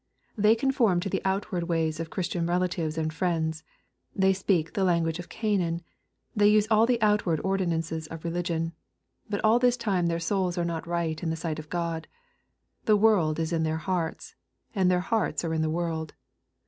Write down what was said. They conform to the outward ways of Christian relatives and friends. They speak the " language of Canaan." They use all the outward ordi nances of religion. But all this time their souls are not right in the sight of God. The world is in their hearts, and their hearts are in the world.